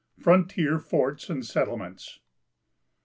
FRONTIER FORTS AND SETTLEMENTS.